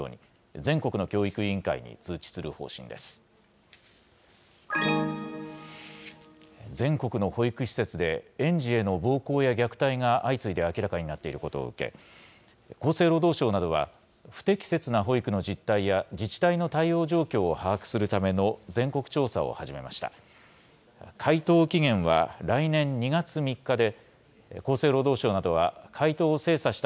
全国の保育施設で、園児への暴行や虐待が相次いで明らかになっていることを受け、厚生労働省などは、不適切な保育の実態や自治体の対応状況を把握するための全国調査を始めました。